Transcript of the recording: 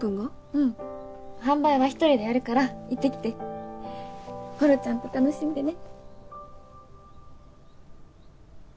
うん販売は１人でやるから行ってきてころちゃんと楽しんでね